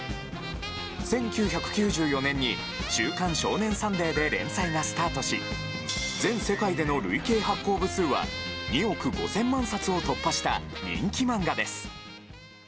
１９９４年に「週刊少年サンデー」で連載がスタートし全世界での累計発行部数は２億５０００万冊を突破した人気漫画です。